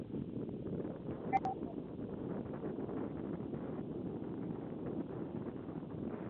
utendaji kazi mzuri wa mwandishi wa habari unatokana na ushirikiano mzuri wa wazungumzaji